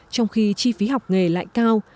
trong khi chi phí học nghề lại cao